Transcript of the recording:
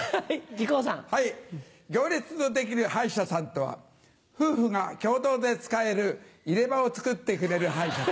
行列の出来る歯医者さんとは夫婦が共同で使える入れ歯を作ってくれる歯医者さん。